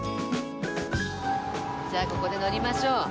じゃあここで乗りましょう。